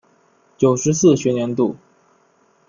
九十四学年度